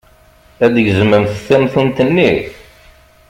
Ad d-gezmemt tamtunt-nni?